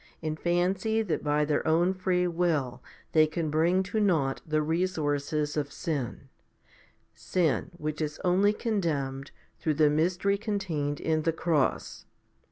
and fancy that by their own free will they can bring to nought the resources of sin sin which is only condemned through the mystery contained in the cross.